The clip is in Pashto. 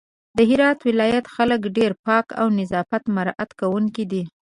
د هرات ولايت خلک ډېر پاک او نظافت مرعت کونکي دي